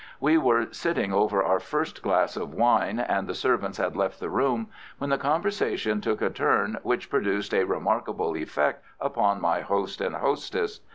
We were sitting over our first glass of wine, and the servants had left the room, when the conversation took a turn which produced a remarkable effect upon my host and hostess.